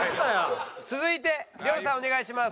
続いて亮さんお願いします。